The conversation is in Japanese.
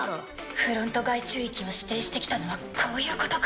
フロント外宙域を指定してきたのはこういうことか。